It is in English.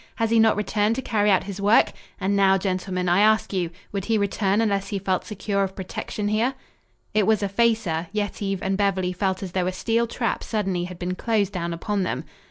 Has he not returned to carry out his work? And now, gentlemen, I ask you would he return unless he felt secure of protection here?" It was a facer, Yetive and Beverly felt as though a steel trap suddenly had been closed down upon them.